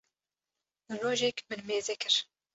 rojek min mêze kir